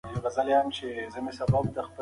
د کندهار میوې به مهاراجا ته ورکول کیږي.